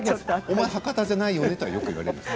お前は博多じゃないよねとはよく言われます。